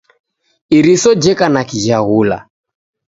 Iriso jeka na kijaghula.